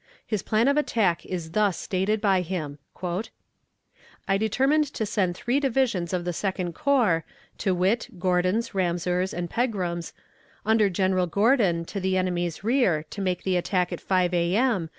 His plan of attack is thus stated by him: "I determined to send the three divisions of the Second Corps, to wit, Gordon's, Ramseur's, and Pegram's, under General Gordon, to the enemy's rear, to make the attack at 5 A.M.